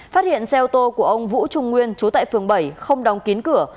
phát hiện xe ô tô của ông vũ trung nguyên chú tại phường bảy không đóng kín cửa